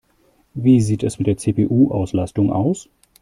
Wie sieht es mit der CPU-Auslastung aus?